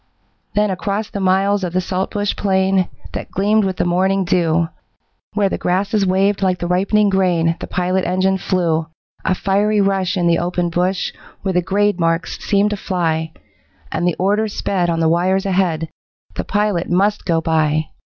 Then across the miles of the saltbush plain That gleamed with the morning dew, Where the grasses waved like the ripening grain The pilot engine flew, A fiery rush in the open bush Where the grade marks seemed to fly, And the order sped on the wires ahead, The pilot MUST go by.